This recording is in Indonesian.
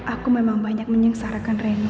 aku memang banyak menyengsarakan reni